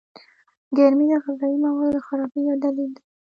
گرمي د غذايي موادو د خرابۍ يو دليل دئ.